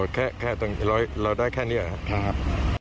แค่ตรงนี้เราได้แค่นี้ครับ